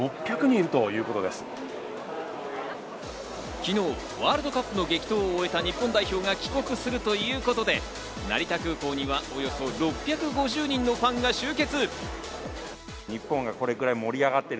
昨日、ワールドカップの激闘を終えた日本代表が帰国するということで、成田空港にはおよそ６５０人のファンが集結。